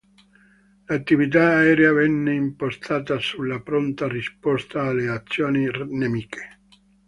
L'attività aerea venne impostata sulla pronta risposta alle azioni nemiche.